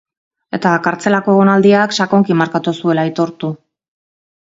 Eta kartzelako egonaldiak sakonki markatu zuela aitortu.